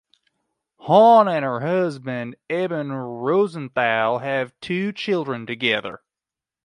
Hawn and her husband Eben Rosenthal have two children together.